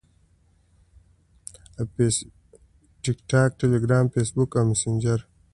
- Facebook، Telegram، TikTok او Messenger